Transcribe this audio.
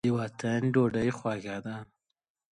د وطن ډوډۍ خوږه ده.